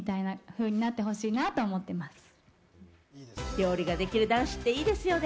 料理ができる男子っていいですよね。